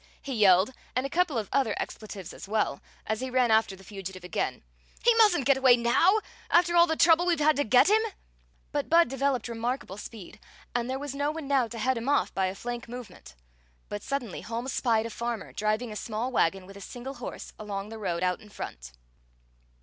he yelled, and a couple of other expletives as well, as he ran after the fugitive again; "he mustn't get away now, after all the trouble we've had to get him!" But Budd developed remarkable speed, and there was no one now to head him off by a flank movement. But suddenly Holmes spied a farmer driving a small wagon with a single horse along the road out in front.